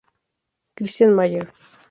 Christian Mayer